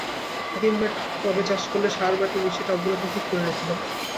একইভাবে টবে চাষ করলে সার-মাটি মিশিয়ে টবগুলো প্রস্তুত করে নিতে হবে।